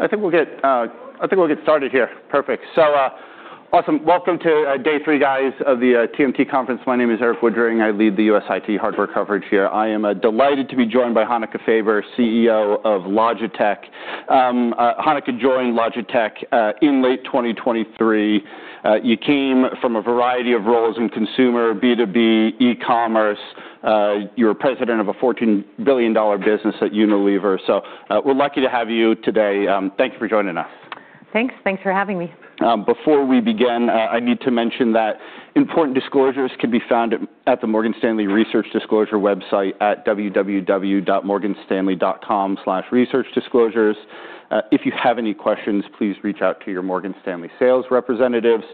I think we'll get started here. Perfect. Awesome. Welcome to day three, guys, of the TMT Conference. My name is Erik Woodring. I lead the U.S. IT hardware coverage here. I am delighted to be joined by Hanneke Faber, CEO of Logitech. Hanneke joined Logitech in late 2023. You came from a variety of roles in consumer, B2B, e-commerce. You were president of a fortune billion-dollar business at Unilever. We're lucky to have you today. Thank you for joining us. Thanks. Thanks for having me. Before we begin, I need to mention that important disclosures can be found at the Morgan Stanley Research Disclosure website at www.morganstanley.com/researchdisclosures. If you have any questions, please reach out to your Morgan Stanley sales representatives.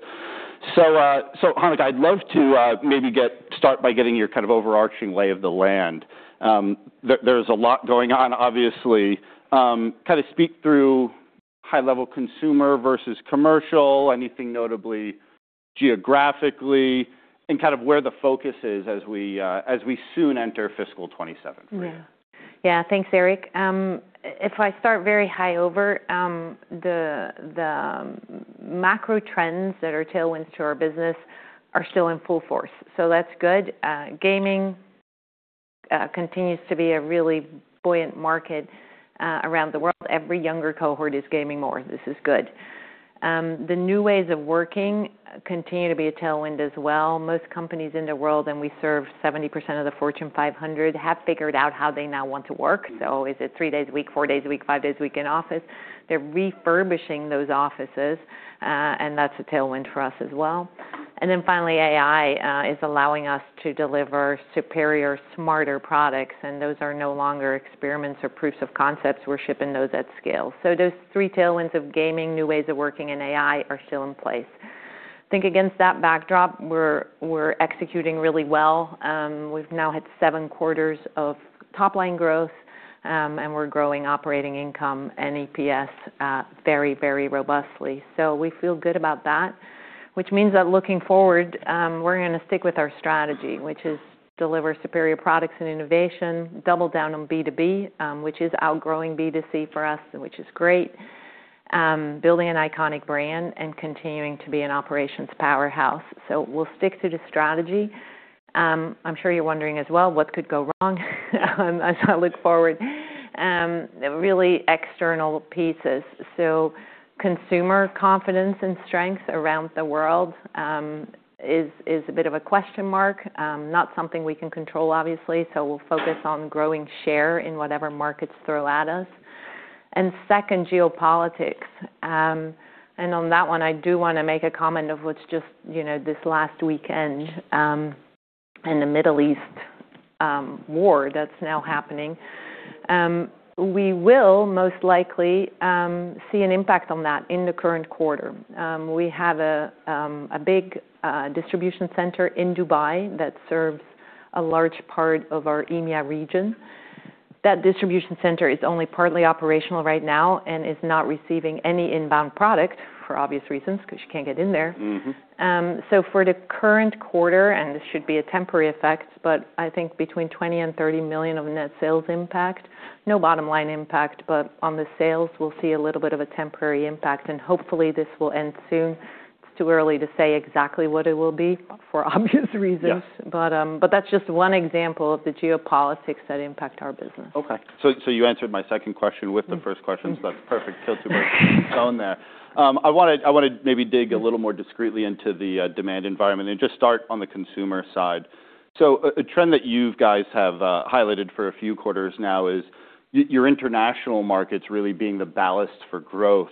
Hanneke, I'd love to start by getting your kind of overarching lay of the land. There's a lot going on, obviously. Kinda speak through high-level consumer versus commercial, anything notably geographically, and kind of where the focus is as we soon enter fiscal 2027 for you. Yeah. Yeah. Thanks, Erik. If I start very high over, the macro trends that are tailwinds to our business are still in full force. That's good. Gaming continues to be a really buoyant market around the world. Every younger cohort is gaming more. This is good. The new ways of working continue to be a tailwind as well. Most companies in the world, and we serve 70% of the Fortune 500, have figured out how they now want to work. Is it three days a week, four days a week, five days a week in office? They're refurbishing those offices. That's a tailwind for us as well. Finally, AI is allowing us to deliver superior, smarter products. Those are no longer experiments or proofs of concepts. We're shipping those at scale. Those three tailwinds of gaming, new ways of working, and AI are still in place. Think against that backdrop, we're executing really well. We've now had seven quarters of top-line growth, and we're growing operating income and EPS very, very robustly. We feel good about that, which means that looking forward, we're going to stick with our strategy, which is deliver superior products and innovation, double down on B2B, which is outgrowing B2C for us, which is great, building an iconic brand and continuing to be an operations powerhouse. We'll stick to the strategy. I'm sure you're wondering as well, what could go wrong as I look forward. The really external pieces. Consumer confidence and strength around the world is a bit of a question mark, not something we can control, obviously. We'll focus on growing share in whatever markets throw at us. Second, geopolitics. On that one, I do wanna make a comment of what's just, you know, this last weekend, in the Middle East, war that's now happening. We will most likely see an impact on that in the current quarter. We have a big distribution center in Dubai that serves a large part of our EMEA region. That distribution center is only partly operational right now and is not receiving any inbound product for obvious reasons, 'cause you can't get in there. Mm-hmm. For the current quarter, this should be a temporary effect, but I think between $20 million and $30 million of net sales impact, no bottom line impact. On the sales, we'll see a little bit of a temporary impact. Hopefully, this will end soon. It's too early to say exactly what it will be for obvious reasons. Yeah. That's just one example of the geopolitics that impact our business. Okay. you answered my second question- Mm-hmm with the first question. Mm-hmm. That's perfect. Killed two birds with one stone there. I wanna maybe dig a little more discreetly into the demand environment and just start on the consumer side. A trend that you guys have highlighted for a few quarters now is your international markets really being the ballast for growth,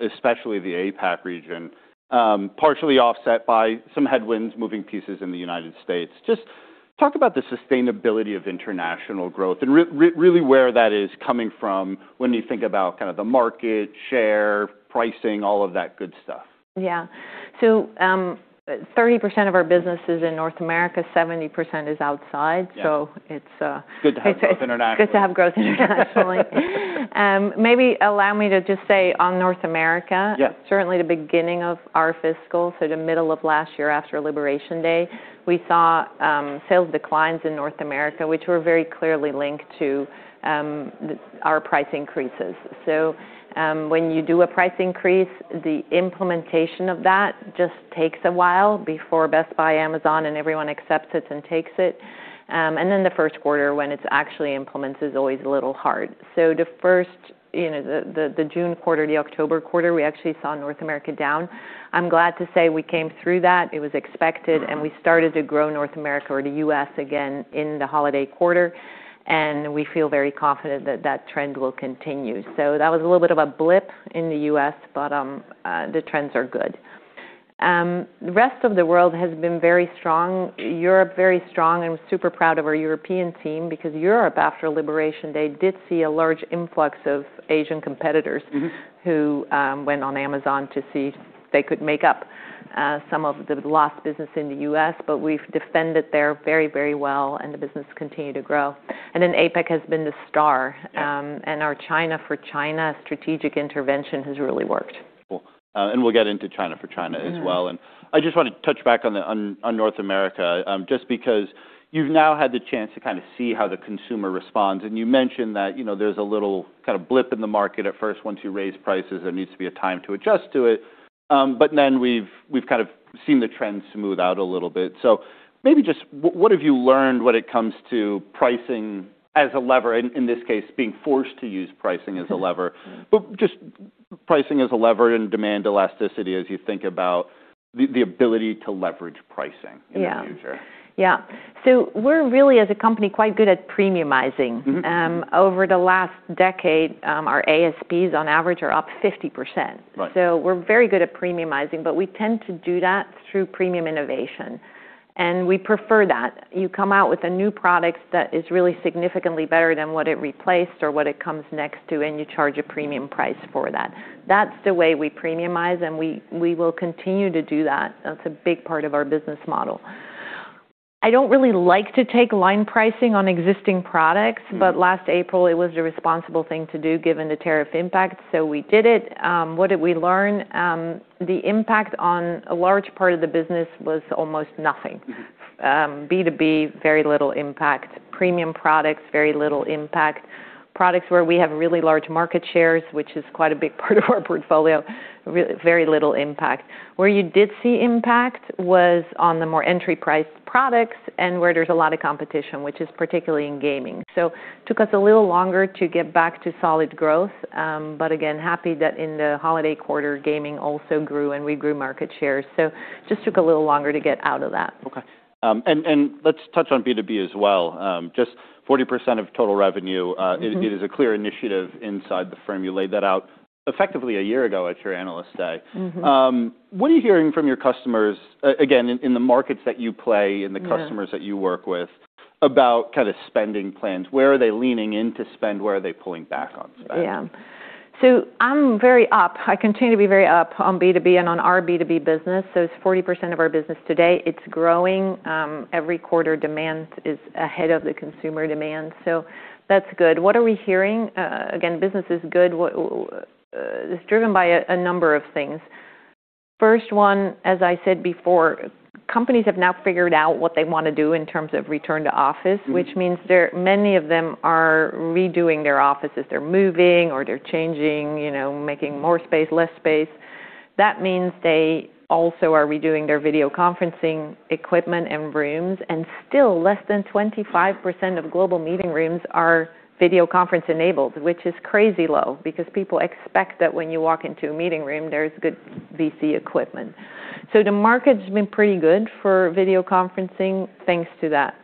especially the APAC region, partially offset by some headwinds, moving pieces in the United States. Just talk about the sustainability of international growth and really where that is coming from when you think about kind of the market, share, pricing, all of that good stuff. Yeah. 30% of our business is in North America, 70% is outside. Yeah. It's. Good to have growth internationally.... it's good to have growth internationally. Maybe allow me to just say on North America- Yeah... certainly the beginning of our fiscal, so the middle of last year after Liberation Day, we saw sales declines in North America, which were very clearly linked to our price increases. When you do a price increase, the implementation of that just takes a while before Best Buy, Amazon, and everyone accepts it and takes it. The first quarter when it's actually implemented is always a little hard. The first, you know, the June quarter, the October quarter, we actually saw North America down. I'm glad to say we came through that, it was expected. Mm-hmm We started to grow North America or the U.S. again in the holiday quarter, and we feel very confident that that trend will continue. That was a little bit of a blip in the U.S., but the trends are good. The rest of the world has been very strong. Europe, very strong, and we're super proud of our European team because Europe, after Liberation Day, did see a large influx of Asian competitors- Mm-hmm... who went on Amazon to see if they could make up some of the lost business in the U.S. We've defended there very, very well, and the business continued to grow. APAC has been the star. Yeah. Our China-for-China strategic intervention has really worked. Cool. We'll get into China for China as well. Mm-hmm. I just wanna touch back on North America, just because you've now had the chance to kinda see how the consumer responds. You mentioned that, you know, there's a little kind of blip in the market at first. Once you raise prices, there needs to be a time to adjust to it. We've kind of seen the trends smooth out a little bit. Maybe just what have you learned when it comes to pricing as a lever, in this case, being forced to use pricing as a lever? Mm-hmm Just pricing as a lever and demand elasticity as you think about the ability to leverage pricing. Yeah... in the future. Yeah. We're really as a company quite good at premiumizing. Mm-hmm. over the last decade, our ASPs on average are up 50%. Right. We're very good at premiumizing, but we tend to do that through premium innovation, and we prefer that. You come out with a new product that is really significantly better than what it replaced or what it comes next to, and you charge a premium price for that. That's the way we premiumize, and we will continue to do that. That's a big part of our business model. I don't really like to take line pricing on existing products. Mm Last April it was the responsible thing to do given the tariff impact, so we did it. What did we learn? The impact on a large part of the business was almost nothing. Mm-hmm. B2B, very little impact. Premium products, very little impact. Products where we have really large market shares, which is quite a big part of our portfolio, very little impact. Where you did see impact was on the more entry priced products and where there's a lot of competition, which is particularly in gaming. Took us a little longer to get back to solid growth, but again, happy that in the holiday quarter gaming also grew and we grew market share. Just took a little longer to get out of that. Okay. let's touch on B2B as well. just 40% of total revenue. Mm-hmm. it is a clear initiative inside the firm. You laid that out effectively a year ago at your Analyst Day. Mm-hmm. What are you hearing from your customers, again, in the markets that you play? Yeah... and the customers that you work with about kinda spending plans? Where are they leaning in to spend? Where are they pulling back on spend? Yeah. I'm very up. I continue to be very up on B2B and on our B2B business. It's 40% of our business today. It's growing. Every quarter demand is ahead of the consumer demand, so that's good. What are we hearing? Again, business is good. It's driven by a number of things. First one, as I said before, companies have now figured out what they wanna do in terms of return to office. Mm... which means they're many of them are redoing their offices. They're moving or they're changing, you know, making more space, less space. That means they also are redoing their video conferencing equipment and rooms. Still less than 25% of global meeting rooms are video conference enabled, which is crazy low because people expect that when you walk into a meeting room, there's good VC equipment. The market's been pretty good for video conferencing thanks to that.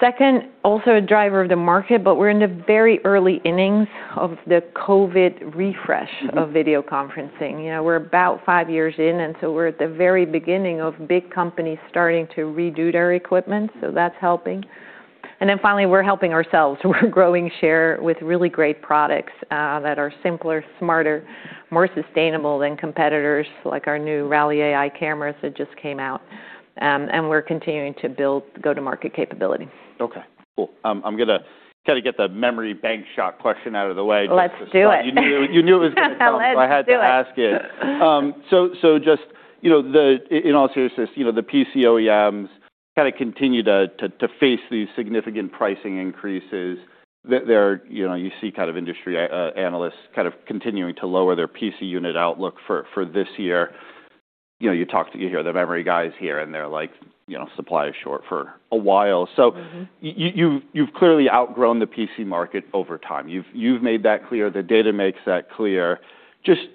Second, also a driver of the market, we're in the very early innings of the COVID refresh. Mm-hmm... of video conferencing. You know, we're about five years in. We're at the very beginning of big companies starting to redo their equipment. That's helping. Finally, we're helping ourselves. We're growing share with really great products that are simpler, smarter, more sustainable than competitors, like our new Rally AI cameras that just came out, and we're continuing to build go-to-market capability. Okay, cool. I'm gonna kinda get the memory bank shot question out of the way. Let's do it. You knew it was gonna come. Let's do it.... so I had to ask it. Just, you know, in all seriousness, you know, the PC OEMs kinda continue to face these significant pricing increases. They're, you know, you see kind of industry analysts kind of continuing to lower their PC unit outlook for this year. You know, you hear the memory guys here, and they're like, "You know, supply is short for a while. Mm-hmm. You've clearly outgrown the PC market over time. You've made that clear. The data makes that clear. Just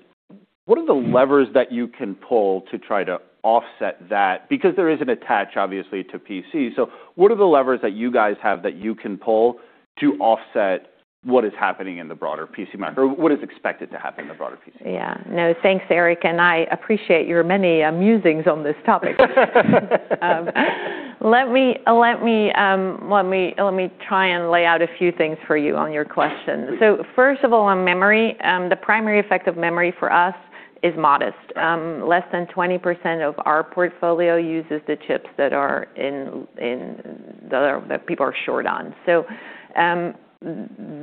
what are the levers that you can pull to try to offset that? There is an attach obviously to PC. What are the levers that you guys have that you can pull to offset what is happening in the broader PC market, or what is expected to happen in the broader PC market? Yeah. No, thanks, Erik, and I appreciate your many musings on this topic. Let me try and lay out a few things for you on your question. First of all, on memory, the primary effect of memory for us is modest. Less than 20% of our portfolio uses the chips that are in that are that people are short on.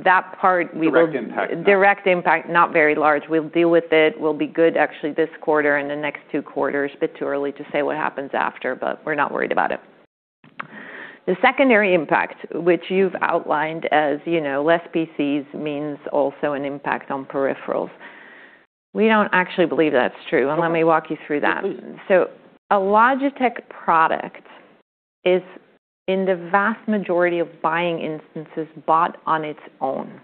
That part we will- Direct impact. Direct impact, not very large. We'll deal with it. We'll be good actually this quarter and the next 2 quarters, but too early to say what happens after, but we're not worried about it. The secondary impact, which you've outlined as, you know, less PCs means also an impact on peripherals, we don't actually believe that's true, and let me walk you through that. Mm-hmm. A Logitech product is in the vast majority of buying instances bought on its own.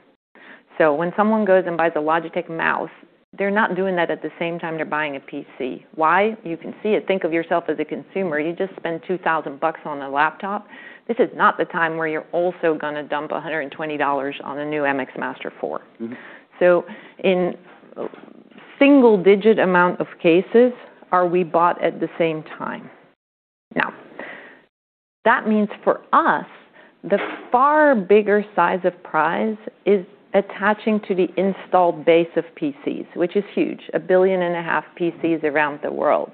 When someone goes and buys a Logitech mouse, they're not doing that at the same time they're buying a PC. Why? You can see it. Think of yourself as a consumer. You just spent $2,000 on a laptop. This is not the time where you're also gonna dump $120 on a new MX Master 4. Mm-hmm. In single-digit amount of cases are we bought at the same time. That means for us, the far bigger size of prize is attaching to the installed base of PCs, which is huge, a billion and a half PCs around the world.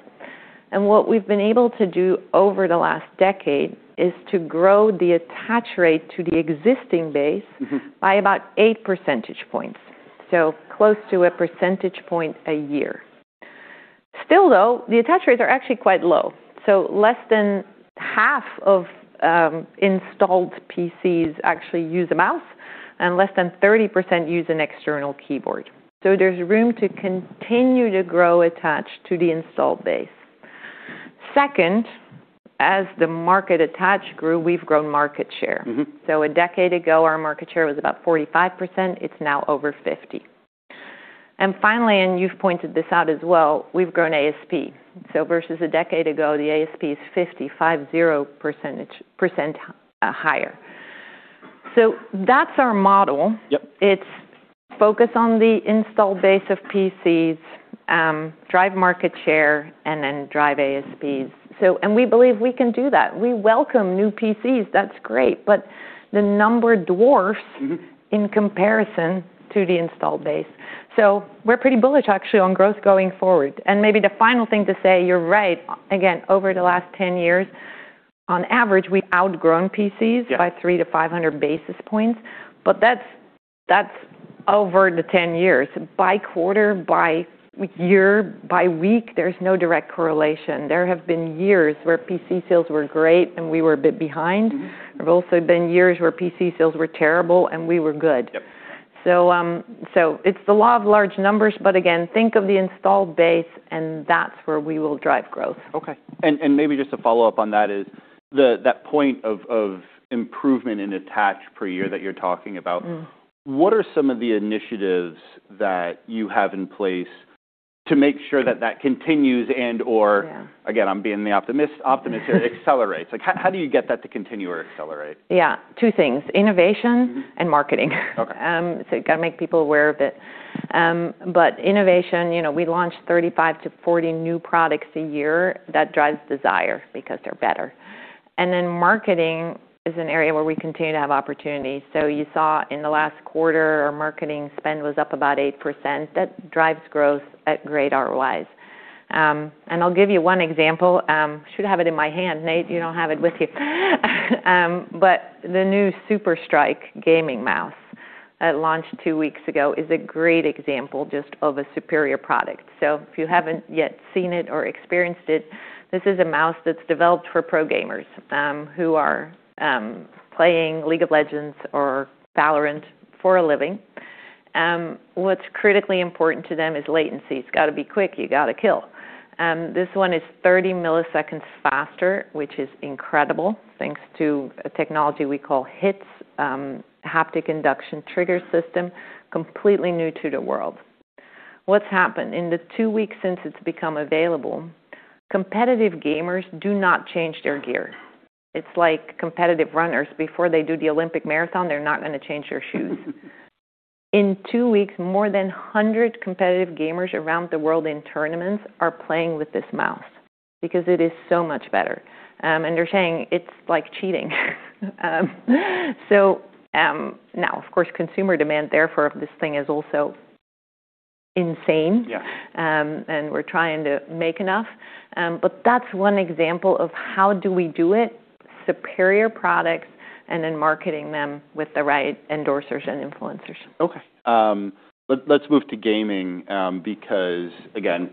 What we've been able to do over the last decade is to grow the attach rate to the existing base. Mm-hmm... by about 8 percentage points, so close to 1 percentage point a year. Still though, the attach rates are actually quite low. Less than half of installed PCs actually use a mouse, and less than 30% use an external keyboard. There's room to continue to grow attach to the installed base. Second, as the market attach grew, we've grown market share. Mm-hmm. A decade ago, our market share was about 45%, it's now over 50%. Finally, and you've pointed this out as well, we've grown ASP. Versus a decade ago, the ASP is 55% higher. That's our model. Yep. It's focus on the install base of PCs, drive market share, and then drive ASPs. We believe we can do that. We welcome new PCs, that's great, the number dwarfs Mm-hmm... in comparison to the installed base. We're pretty bullish actually on growth going forward. Maybe the final thing to say, you're right. Again, over the last 10 years, on average, we've outgrown PCs- Yeah... by 300-500 basis points. That's over the 10 years. By quarter, by year, by week, there's no direct correlation. There have been years where PC sales were great, and we were a bit behind. Mm-hmm. There've also been years where PC sales were terrible, and we were good. Yep. It's the law of large numbers, but again, think of the installed base, and that's where we will drive growth. Okay. maybe just to follow up on that is that point of improvement in attach per year that you're talking about. Mm-hmm... what are some of the initiatives that you have in place to make sure that continues? Yeah... again, I'm being the optimist it accelerates. Like, how do you get that to continue or accelerate? Yeah. Two things, innovation- Mm-hmm... and marketing. Okay. You gotta make people aware of it. Innovation, you know, we launch 35-40 new products a year. That drives desire because they're better. Marketing is an area where we continue to have opportunities. You saw in the last quarter, our marketing spend was up about 8%. That drives growth at great ROIs. I'll give you one example. Should have it in my hand. Nate, you don't have it with you. The new SuperStrike gaming mouse, launched two weeks ago, is a great example just of a superior product. If you haven't yet seen it or experienced it, this is a mouse that's developed for pro gamers, who are playing League of Legends or Valorant for a living. What's critically important to them is latency. It's gotta be quick, you gotta kill. This one is 30 ms faster, which is incredible, thanks to a technology we call HITS, Haptic Induction Trigger System, completely new to the world. What's happened in the two weeks since it's become available, competitive gamers do not change their gear. It's like competitive runners. Before they do the Olympic marathon, they're not gonna change their shoes. In two weeks, more than 100 competitive gamers around the world in tournaments are playing with this mouse because it is so much better. They're saying it's like cheating. Now of course, consumer demand therefore of this thing is also insane. Yeah. We're trying to make enough. That's one example of how do we do it, superior products, and then marketing them with the right endorsers and influencers. Okay. let's move to gaming, because again,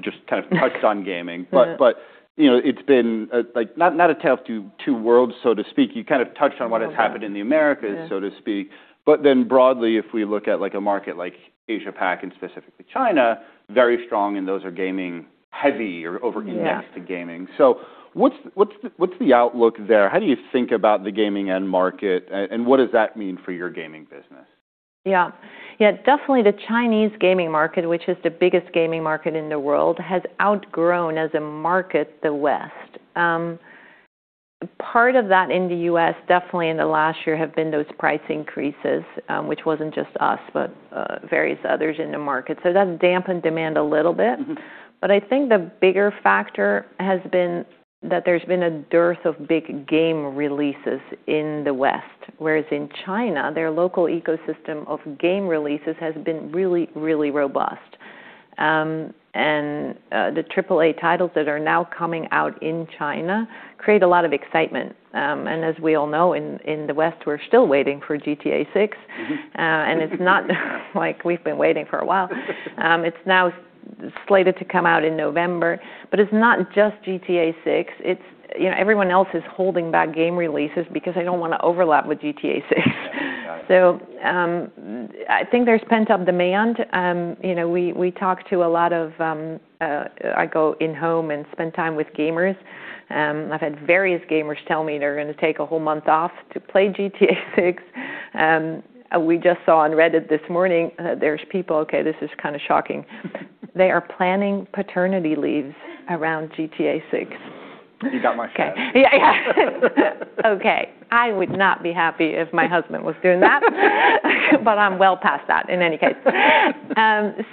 just touched on gaming. you know, it's been, like not a tale of two worlds, so to speak. You kind of touched on what. Oh, yeah.... happened in the Americas- Yeah... so to speak. Broadly, if we look at like a market like Asia Pac and specifically China, very strong, and those are gaming heavy or over. Yeah... indexed to gaming. What's the outlook there? How do you think about the gaming end market, and what does that mean for your gaming business? Yeah. Yeah, definitely the Chinese gaming market, which is the biggest gaming market in the world, has outgrown as a market the West. Part of that in the U.S. definitely in the last year have been those price increases, which wasn't just us, but various others in the market. That's dampened demand a little bit. Mm-hmm. I think the bigger factor has been that there's been a dearth of big game releases in the West, whereas in China, their local ecosystem of game releases has been really, really robust. The AAA titles that are now coming out in China create a lot of excitement. As we all know, in the West, we're still waiting for GTA VI. Mm-hmm. It's not like we've been waiting for a while. It's now slated to come out in November, it's not just GTA VI. You know, everyone else is holding back game releases because they don't wanna overlap with GTA VI. Yeah. I think there's pent-up demand. You know, we talk to a lot of. I go in home and spend time with gamers. I've had various gamers tell me they're gonna take a whole month off to play GTA VI. We just saw on Reddit this morning, there's people. Okay, this is kinda shocking. They are planning paternity leaves around GTA VI. You got my Yeah. Okay. I would not be happy if my husband was doing that. I'm well past that in any case. The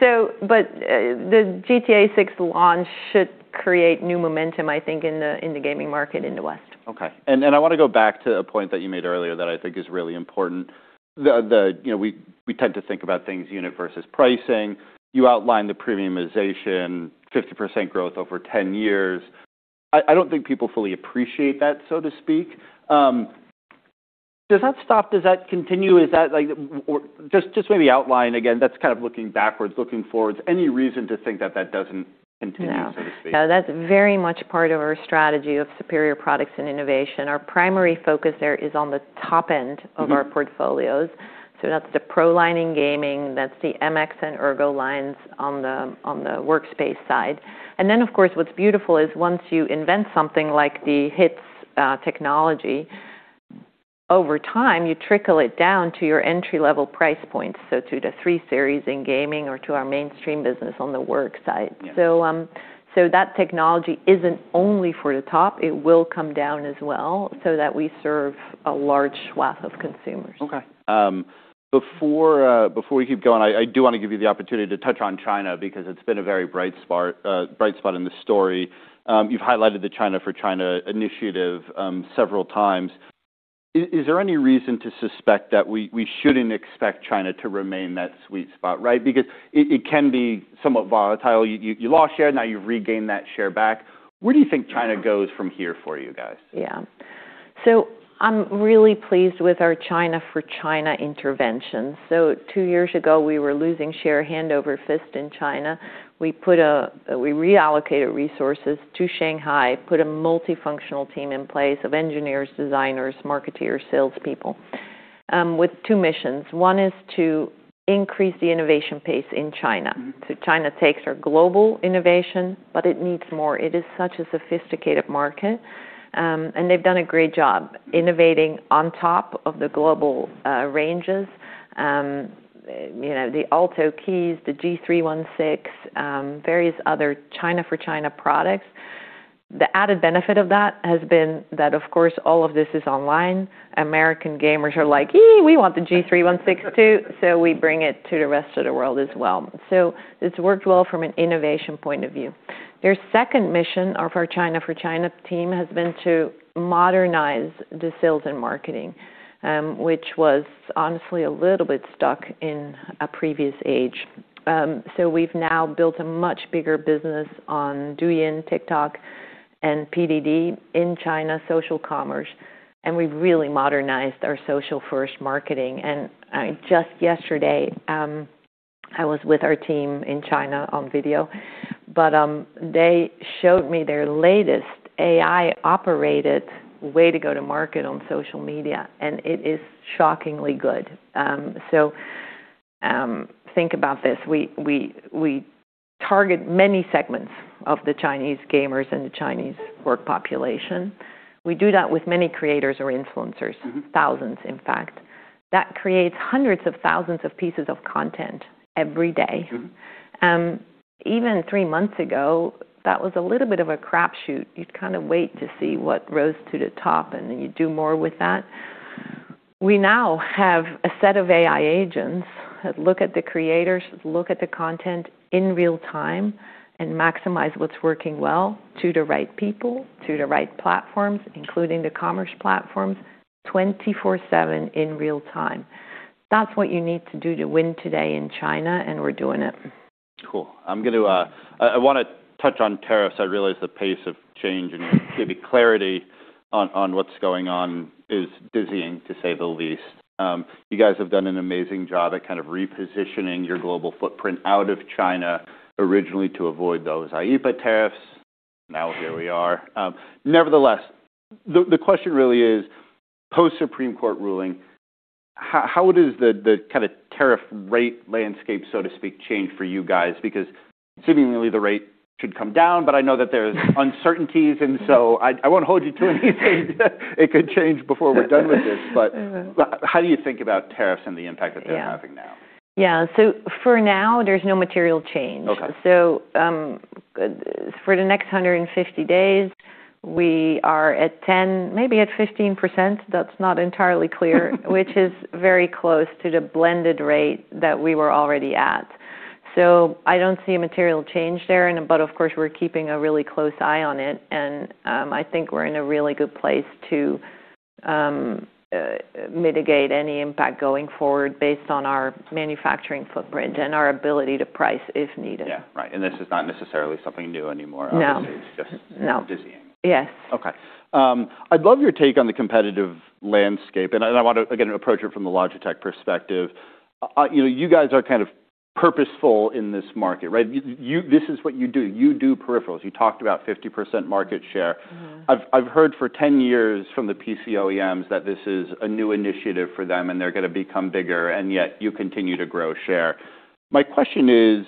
GTA VI launch should create new momentum, I think, in the gaming market in the West. Okay. Then I wanna go back to a point that you made earlier that I think is really important. The, you know, we tend to think about things unit versus pricing. You outlined the premiumization, 50% growth over 10 years. I don't think people fully appreciate that, so to speak. Does that stop? Does that continue? Is that like or just maybe outline again, that's kind of looking backwards, looking forwards, any reason to think that doesn't continue? No... so to speak. No, that's very much part of our strategy of superior products and innovation. Our primary focus there is on the top end- Mm-hmm... of our portfolios, so that's the pro line in gaming, that's the MX and Ergo lines on the workspace side. Of course, what's beautiful is once you invent something like the HITS technology, over time, you trickle it down to your entry-level price point, so to the three series in gaming or to our mainstream business on the work side. Yeah. That technology isn't only for the top, it will come down as well so that we serve a large swath of consumers. Okay. Before, before we keep going, I do wanna give you the opportunity to touch on China because it's been a very bright spot in the story. You've highlighted the China for China initiative several times. Is there any reason to suspect that we shouldn't expect China to remain that sweet spot, right? Because it can be somewhat volatile. You lost share, now you've regained that share back. Where do you think China goes from here for you guys? Yeah. I'm really pleased with our China for China intervention. Two years ago, we were losing share hand over fist in China. We reallocated resources to Shanghai, put a multifunctional team in place of engineers, designers, marketeers, salespeople, with two missions. One is to increase the innovation pace in China. Mm-hmm. China takes our global innovation, but it needs more. It is such a sophisticated market, and they've done a great job innovating on top of the global ranges. You know, the Alto Keys, the G316, various other China for China products. The added benefit of that has been that, of course, all of this is online. American gamers are like, "Ee, we want the G316 too." We bring it to the rest of the world as well. It's worked well from an innovation point of view. Their second mission of our China for China team has been to modernize the sales and marketing, which was honestly a little bit stuck in a previous age. We've now built a much bigger business on Douyin, TikTok, and PDD in China social commerce, and we've really modernized our social-first marketing. Just yesterday, I was with our team in China on video, but they showed me their latest AI-operated way to go to market on social media, and it is shockingly good. Think about this. We target many segments of the Chinese gamers and the Chinese work population. We do that with many creators or influencers. Mm-hmm thousands, in fact. That creates hundreds of thousands of pieces of content every day. Mm-hmm. Even three months ago, that was a little bit of a crap shoot. You'd kinda wait to see what rose to the top, and then you do more with that. We now have a set of AI agents that look at the creators, look at the content in real time, and maximize what's working well to the right people, to the right platforms, including the commerce platforms, 24/7 in real time. That's what you need to do to win today in China, and we're doing it. Cool. I'm gonna, I wanna touch on tariffs. I realize the pace of change and giving clarity on what's going on is dizzying, to say the least. You guys have done an amazing job at kind of repositioning your global footprint out of China originally to avoid those IIPA tariffs. Now here we are. Nevertheless, the question really is, post-Supreme Court ruling, how does the kinda tariff rate landscape, so to speak, change for you guys? Because seemingly the rate should come down, but I know that there's uncertainties, and so I won't hold you to anything. It could change before we're done with this. Yeah. How do you think about tariffs and the impact that they're having now? Yeah. For now, there's no material change. Okay. For the next 150 days, we are at 10%, maybe at 15%, that's not entirely clear. Which is very close to the blended rate that we were already at. I don't see a material change there, and but of course, we're keeping a really close eye on it, and I think we're in a really good place to mitigate any impact going forward based on our manufacturing footprint and our ability to price if needed. Yeah, right. This is not necessarily something new anymore... No... obviously, it's. No ...dizzying. Yes. Okay. I'd love your take on the competitive landscape, I wanna, again, approach it from the Logitech perspective. You know, you guys are kind of purposeful in this market, right? You this is what you do. You do peripherals. You talked about 50% market share. Mm-hmm. I've heard for 10 years from the PC OEMs that this is a new initiative for them, and they're gonna become bigger, and yet you continue to grow share. My question is,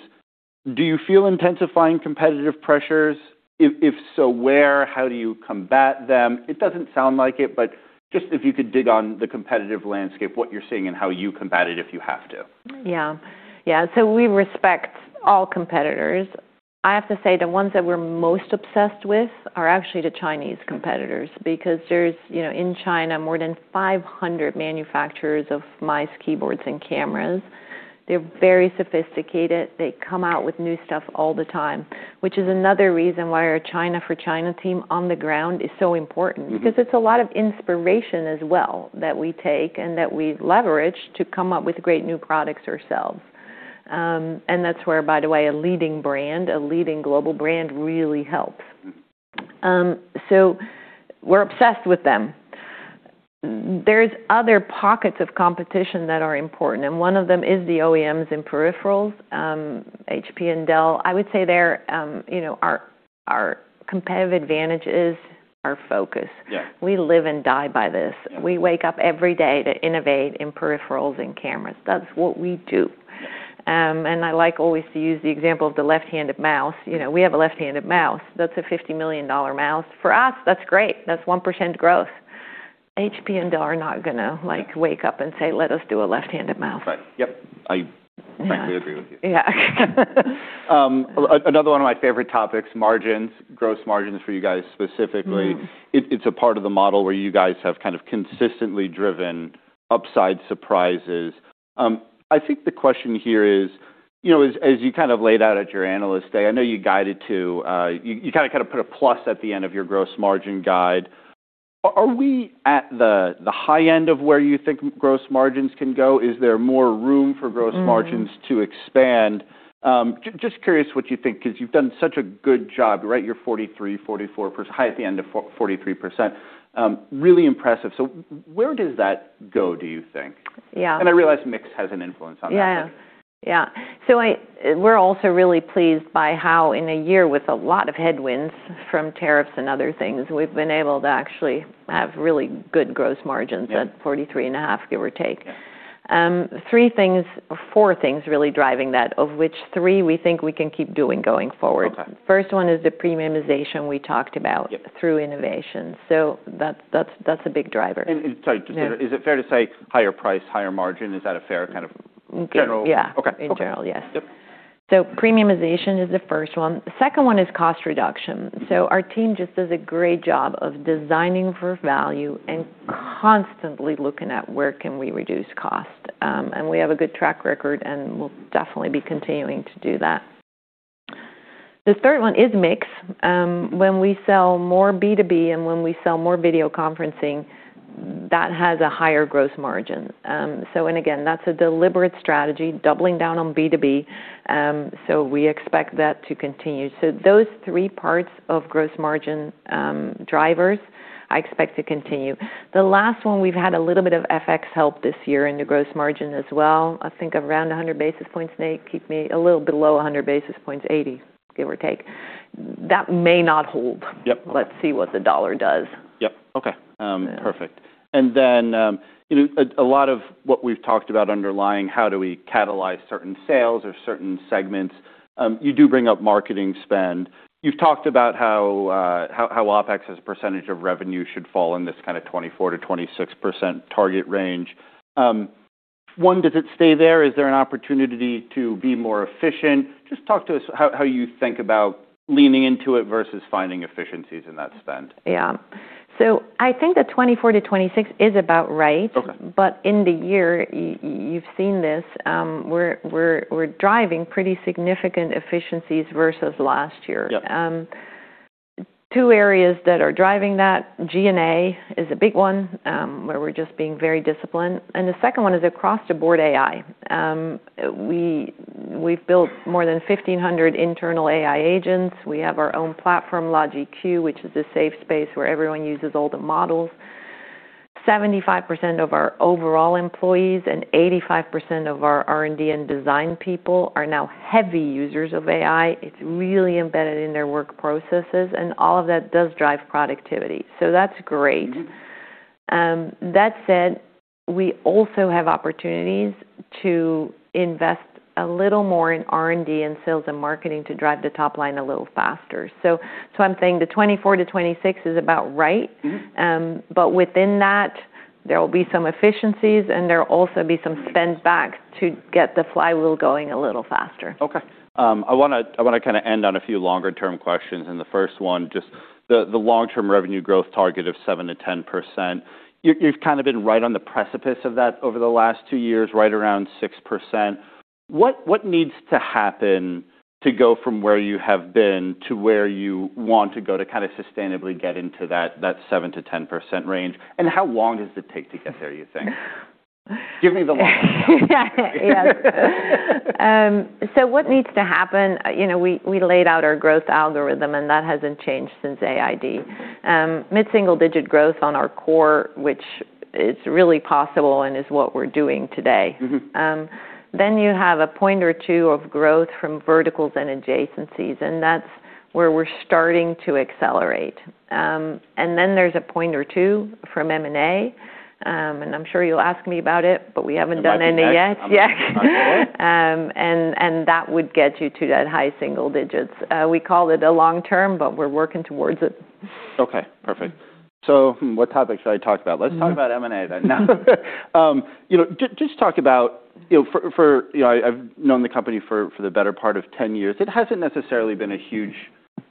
do you feel intensifying competitive pressures? If so, where? How do you combat them? It doesn't sound like it, but just if you could dig on the competitive landscape, what you're seeing and how you combat it if you have to. Yeah. Yeah. We respect all competitors. I have to say, the ones that we're most obsessed with are actually the Chinese competitors, because there's, you know, in China, more than 500 manufacturers of mice, keyboards, and cameras. They're very sophisticated. They come out with new stuff all the time, which is another reason why our China for China team on the ground is so important. Mm-hmm. It's a lot of inspiration as well that we take and that we leverage to come up with great new products ourselves. That's where, by the way, a leading brand, a leading global brand really helps. Mm-hmm. We're obsessed with them. There's other pockets of competition that are important. One of them is the OEMs and peripherals, HP and Dell. I would say they're, you know, our competitive advantage is our focus. Yeah. We live and die by this. We wake up every day to innovate in peripherals and cameras. That's what we do. I like always to use the example of the left-handed mouse. You know, we have a left-handed mouse that's a $50 million mouse. For us, that's great. That's 1% growth. HP and Dell are not gonna, like, wake up and say, "Let us do a left-handed mouse. Right. Yep. I frankly agree with you. Yeah. Another one of my favorite topics, margins, gross margins for you guys specifically. Mm-hmm. It's a part of the model where you guys have kind of consistently driven upside surprises. I think the question here is, you know, as you kind of laid out at your Analyst Day, I know you guided to, you kinda put a plus at the end of your gross margin guide. Are we at the high end of where you think gross margins can go? Mm-hmm... margins to expand? just curious what you think, 'cause you've done such a good job, right? You're 43, 44%, high at the end of 43%. Really impressive. Where does that go, do you think? Yeah. I realize mix has an influence on that. Yeah. Yeah. We're also really pleased by how in a year with a lot of headwinds from tariffs and other things, we've been able to actually have really good gross margins... Yeah... at forty-three and a half, give or take. Yeah. Three things or four things really driving that, of which three we think we can keep doing going forward. Okay. First one is the premiumization we talked about... Yep... through innovation. That's a big driver. Sorry. Yeah. Is it fair to say higher price, higher margin? Is that a fair kind of general- Okay. Yeah. Okay. Okay. In general, yes. Yep. Premiumization is the first one. The second one is cost reduction. Our team just does a great job of designing for value and constantly looking at where can we reduce cost. We have a good track record, and we'll definitely be continuing to do that. The third one is mix. When we sell more B2B and when we sell more video conferencing, that has a higher gross margin. Again, that's a deliberate strategy, doubling down on B2B, we expect that to continue. Those three parts of gross margin drivers I expect to continue. The last one, we've had a little bit of FX help this year in the gross margin as well. I think around 100 basis points, Nate, a little below 100 basis points, 80, give or take. That may not hold. Yep. Let's see what the dollar does. Yep. Okay. Yeah. Perfect. You know, a lot of what we've talked about underlying how do we catalyze certain sales or certain segments, you do bring up marketing spend. You've talked about how OpEx as a percentage of revenue should fall in this kind of 24%-26% target range. One, does it stay there? Is there an opportunity to be more efficient? Just talk to us how you think about leaning into it versus finding efficiencies in that spend. Yeah. I think the 24-26 is about right. Okay. In the year, you've seen this, we're driving pretty significant efficiencies versus last year. Yep. Two areas that are driving that, G&A is a big one, where we're just being very disciplined. The second one is across-the-board AI. We've built more than 1,500 internal AI agents. We have our own platform, LogiQ, which is a safe space where everyone uses all the models. 75% of our overall employees and 85% of our R&D and design people are now heavy users of AI. It's really embedded in their work processes. All of that does drive productivity. That's great. That said, we also have opportunities to invest a little more in R&D and sales and marketing to drive the top line a little faster. I'm saying the 2024-2026 is about right. Mm-hmm. Within that, there will be some efficiencies, and there'll also be some spend back to get the flywheel going a little faster. Okay. I wanna kinda end on a few longer term questions. The first one, just the long-term revenue growth target of 7%-10%, you've kinda been right on the precipice of that over the last two years, right around 6%. What needs to happen to go from where you have been to where you want to go to kinda sustainably get into that 7%-10% range? How long does it take to get there, you think? Give me the long. Yes. What needs to happen, you know, we laid out our growth algorithm, and that hasn't changed since AID. Mid-single digit growth on our core, which is really possible and is what we're doing today. Mm-hmm. You have a point or two of growth from verticals and adjacencies, and that's where we're starting to accelerate. There's a point or two from M&A. I'm sure you'll ask me about it, but we haven't done any yet. I might be next. I might be next.... yet. That would get you to that high single digits. We called it a long term, but we're working towards it. Okay. Perfect. what topic should I talk about? Mm-hmm. Let's talk about M&A. You know, just talk about, you know, for, you know, I've known the company for the better part of 10 years, it hasn't necessarily been a huge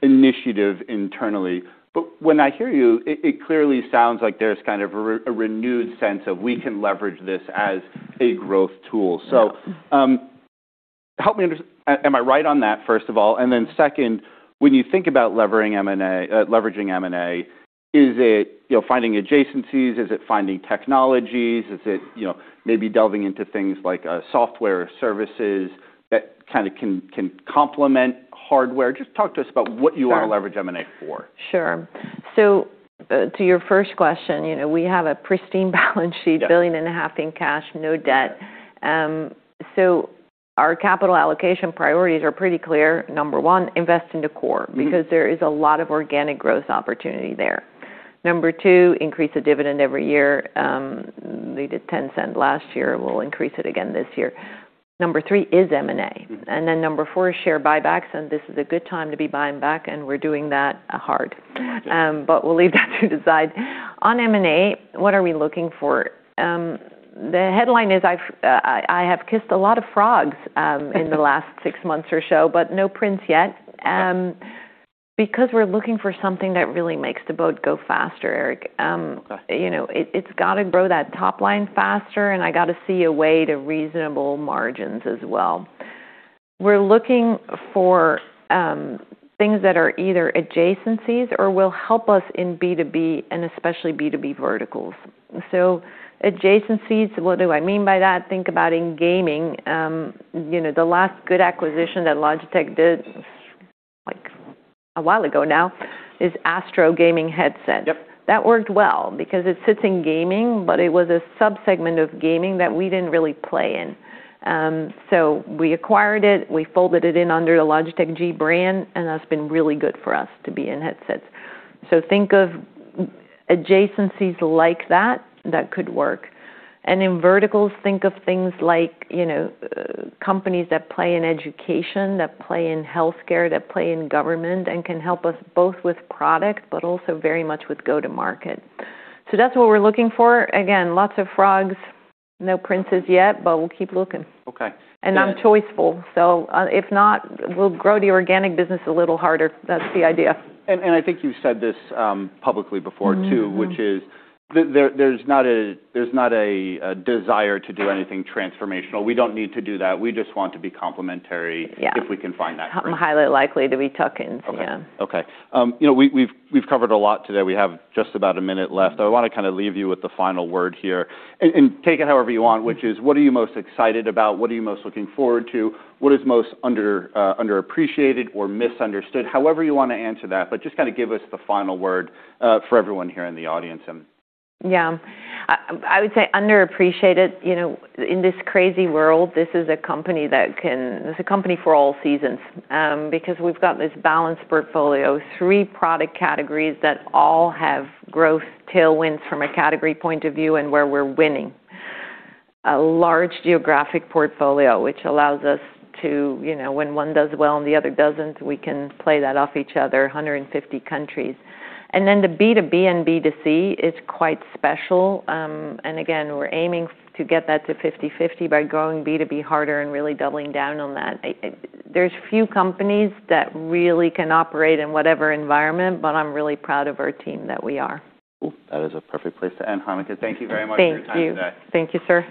initiative internally, but when I hear you, it clearly sounds like there's kind of a renewed sense of we can leverage this as a growth tool. Yeah. Am I right on that, first of all? Second, when you think about leveraging M&A, is it, you know, finding adjacencies? Is it finding technologies? Is it, you know, maybe delving into things like software services that kinda can complement hardware? Just talk to us about what you wanna- Sure... leverage M&A for. Sure. to your first question, you know, we have a pristine balance sheet- Yeah... billion and a half in cash, no debt. Our capital allocation priorities are pretty clear. Number one, invest in the core- Mm-hmm... because there is a lot of organic growth opportunity there. Number two, increase the dividend every year. They did $0.10 last year, we'll increase it again this year. Number three is M&A. Mm-hmm. Number four is share buybacks. This is a good time to be buying back. We're doing that hard. We'll leave that to the side. On M&A, what are we looking for? The headline is I have kissed a lot of frogs in the last six months or so. No prince yet. We're looking for something that really makes the boat go faster, Erik. Okay... you know, it's gotta grow that top line faster, and I gotta see a way to reasonable margins as well. We're looking for things that are either adjacencies or will help us in B2B, and especially B2B verticals. Adjacencies, what do I mean by that? Think about in gaming, you know, the last good acquisition that Logitech did, like a while ago now, is ASTRO Gaming Headset. Yep. That worked well because it sits in gaming, but it was a sub-segment of gaming that we didn't really play in. We acquired it, we folded it in under the Logitech G brand, and that's been really good for us to be in headsets. Think of adjacencies like that that could work. In verticals, think of things like, you know, companies that play in education, that play in healthcare, that play in government and can help us both with product but also very much with go-to-market. That's what we're looking for. Again, lots of frogs, no princes yet, but we'll keep looking. Okay. I'm choiceful, so, if not, we'll grow the organic business a little harder. That's the idea. I think you've said this publicly before too. Mm-hmm which is there's not a desire to do anything transformational. We don't need to do that. We just want to be complementary- Yeah... if we can find that. Highly likely that we tuck in, yeah. Okay, okay. You know, we've covered a lot today. We have just about a minute left. I wanna kinda leave you with the final word here, and take it however you want, which is, what are you most excited about? What are you most looking forward to? What is most underappreciated or misunderstood? However you wanna answer that, just kinda give us the final word for everyone here in the audience, and... Yeah. I would say underappreciated, you know, in this crazy world, this is a company that can. This is a company for all seasons, because we've got this balanced portfolio, three product categories that all have growth tailwinds from a category point of view and where we're winning. A large geographic portfolio, which allows us to, you know, when one does well and the other doesn't, we can play that off each other, 150 countries. The B2B and B2C is quite special, and again, we're aiming to get that to 50/50 by growing B2B harder and really doubling down on that. I. There's few companies that really can operate in whatever environment, but I'm really proud of our team that we are. Cool. That is a perfect place to end, Hanneke. Thank you very much for your time today. Thank you. Thank you, sir.